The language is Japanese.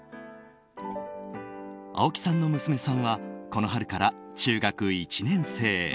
青木さんの娘さんはこの春から中学１年生。